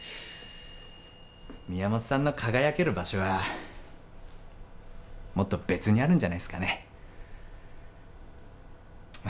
宮本さんの輝ける場所はもっと別にあるんじゃないっすかね